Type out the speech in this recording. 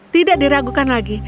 tidak diragukan lagi